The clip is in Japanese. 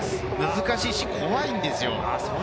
難しいし、怖いんですよ。